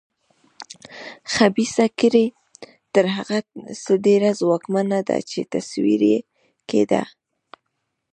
خبیثه کړۍ تر هغه څه ډېره ځواکمنه ده چې تصور یې کېده.